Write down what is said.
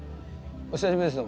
お久しぶりです。